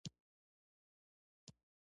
د کور غړي باید یو بل ته بخښنه زده کړي.